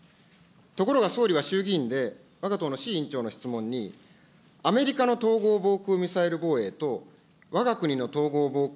ところが総理は衆議院で、わが党の志位委員長の質問にアメリカの統合防空ミサイル防衛と、わが国の統合防空